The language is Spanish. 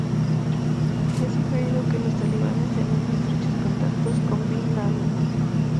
Se ha sugerido que los talibanes tenían estrechos contactos con bin Laden.